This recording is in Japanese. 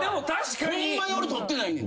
ホンマに俺取ってないねんて。